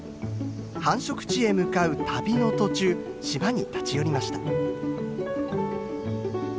繁殖地へ向かう旅の途中島に立ち寄りました。